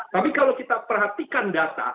tapi kalau kita perhatikan data